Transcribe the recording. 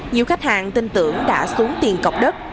nhiều khách hàng tin tưởng đã xuống tiền cọc đất